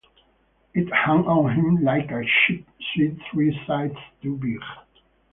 It hung on him like a cheap suit three sizes too big.